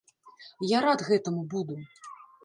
Я рад гэтаму буду.